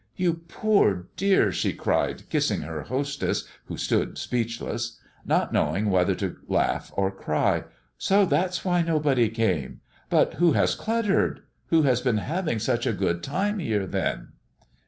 "You poor dear!" she cried, kissing her hostess, who stood speechless, not knowing whether to laugh or cry, "so that's why nobody came! But who has cluttered who has been having such a good time here, then?"